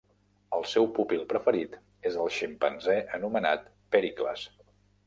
El seu pupil preferit és el ximpanzé anomenat Pèricles.